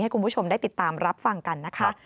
คุณผู้ชมได้ติดตามรับฟังกันนะคะ